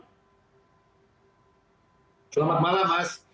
selamat malam mas